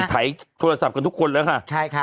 ถ่ายโทรศัพท์กันทุกคนแล้วค่ะ